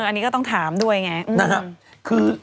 อันนี้ก็ต้องถามด้วยไง